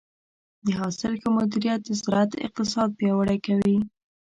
د حاصل ښه مدیریت د زراعت اقتصاد پیاوړی کوي.